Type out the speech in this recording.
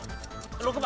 ６番。